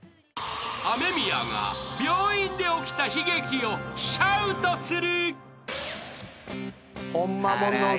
［ＡＭＥＭＩＹＡが病院で起きた悲劇をシャウトする］